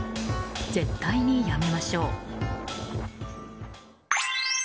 絶対にやめましょう。